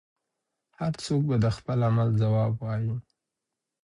هر څوک به د خپل عمل ځواب وايي.